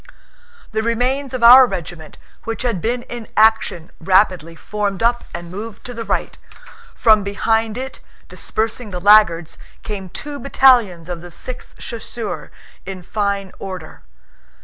The remains of our regiment which had been in action rapidly formed up and moved to the right; from behind it, dispersing the laggards, came two battalions of the Sixth Chasseurs in fine order.